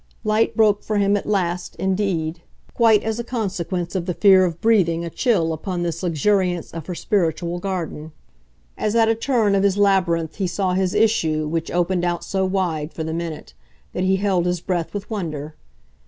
Light broke for him at last, indeed, quite as a consequence of the fear of breathing a chill upon this luxuriance of her spiritual garden. As at a turn of his labyrinth he saw his issue, which opened out so wide, for the minute, that he held his breath with wonder.